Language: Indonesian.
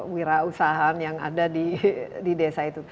wirausahaan yang ada di desa itu